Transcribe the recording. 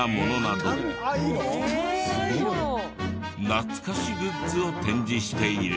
懐かしグッズを展示している。